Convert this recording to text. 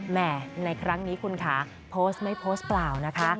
ในครั้งนี้คุณค่ะโพสต์ไม่โพสต์เปล่านะคะ